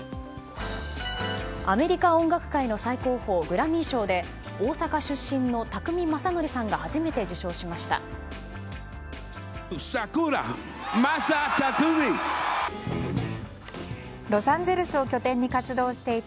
アメリカ音楽界の最高峰グラミー賞で大阪出身の宅見将典さんが初めて受賞しました。